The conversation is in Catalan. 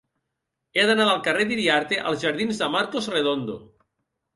He d'anar del carrer d'Iriarte als jardins de Marcos Redondo.